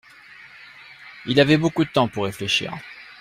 Il avait beaucoup de temps pour réfléchir.